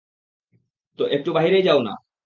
তো, একটু বাহিরেই যাও না?